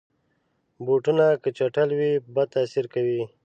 بوټونه که چټل وي، بد تاثیر کوي.